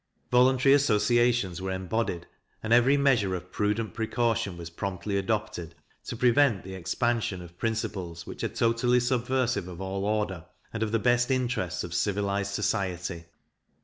Voluntary associations were embodied, and every measure of prudent precaution was promptly adopted, to prevent the expansion of principles which are totally subversive of all order, and of the best interests of civilized society.